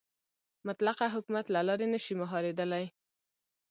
مطلقه حکومت له لارې نه شي مهارېدلی.